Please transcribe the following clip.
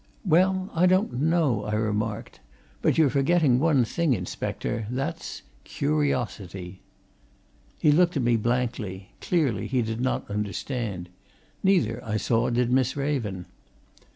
"Well, I don't know," I remarked. "But you're forgetting one thing, inspector. That's curiosity!" He looked at me blankly clearly, he did not understand. Neither, I saw, did Miss Raven.